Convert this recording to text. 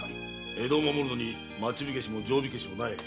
江戸を守るのに町火消しも定火消しもない。